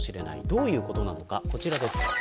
どういうことなのかこちらです。